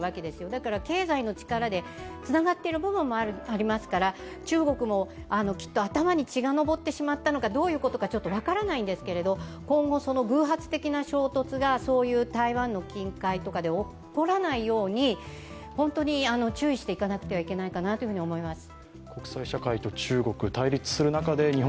だから経済の力でつながってる部分もありますから中国もきっと頭に血が上ってしまったのかどういうことかちょっと分からないんですけど、今後、偶発的な衝突がそういう台湾の近海とかで起こらないように本当に注意していかなくてはいけないかなと思います。